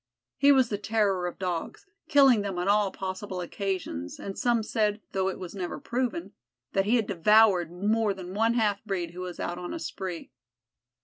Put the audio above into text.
He was the terror of Dogs, killing them on all possible occasions, and some said, though it was never proven, that he had devoured more than one half breed who was out on a spree.